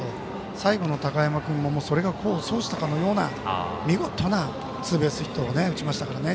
最後の高山君もそれが功を奏したかのような見事なツーベースヒットを打ちましたからね。